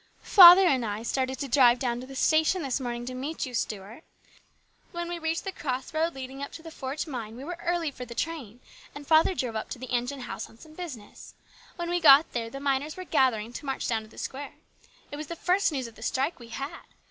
" Father and I started to drive down to the station this morning to meet you, Stuart. When we reached the cross road leading up to the Forge mine we were early for the train, and father drove up to the engine house on some business. When we got there the miners were gathering to march down to the square. It was the first news of the strike we had.